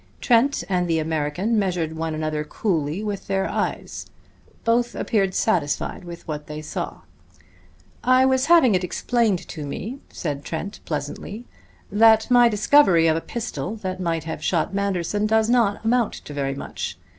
Trent and the American measured one another coolly with their eyes. Both appeared satisfied with what they saw. "I was having it explained to me," said Trent pleasantly, "that my discovery of a pistol that might have shot Manderson does not amount to very much.